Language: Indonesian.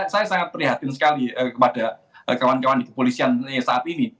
saya sangat prihatin sekali kepada kawan kawan di kepolisian yang saat ini